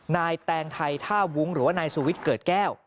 แตงไทยท่าวุ้งหรือว่านายสุวิทย์เกิดแก้ว